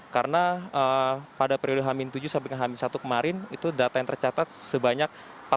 karena pada periode hm tujuh sampai dengan hm satu kemarin itu data yang tercatat sebanyak empat ratus enam puluh lima